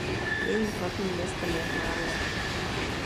Jejím hlavním městem je Haarlem.